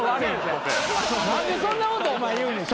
何でそんなことお前言うねん。